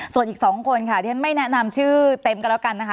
ส่วนอีก๒คนค่ะที่ฉันไม่แนะนำชื่อเต็มก็แล้วกันนะคะ